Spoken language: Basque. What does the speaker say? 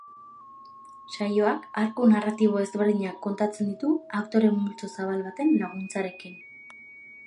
Saioak arku narratibo ezberdinak kontatzen ditu aktore-multzo zabal baten laguntzarekin.